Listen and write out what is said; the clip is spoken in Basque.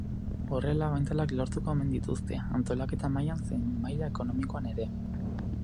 Horrela abantailak lortuko omen dituzte, antolaketa mailan zein maila ekonomikoan ere.